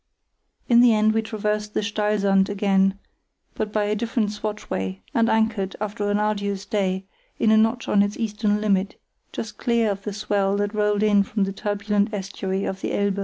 In the end we traversed the Steil Sand again, but by a different swatchway, and anchored, after an arduous day, in a notch on its eastern limit, just clear of the swell that rolled in from the turbulent estuary of the Elbe.